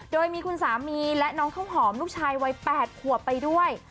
โดยมีคุณสามีและน้องข้าวหอมลูกชายวัย๘ขวบไปด้วย